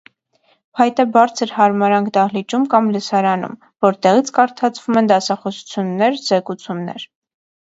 Փայտե բարձր հարմարանք դահլիճում կամ լսարանում, որտեղից կարդացվում են դասախոսություններ, զեկուցումներ։